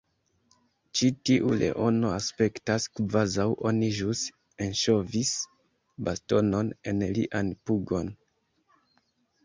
Ĉi tiu leono aspektas kvazaŭ oni ĵus enŝovis bastonon en lian pugon